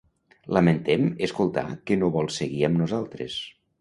Lamentem escoltar que no vol seguir amb nosaltres.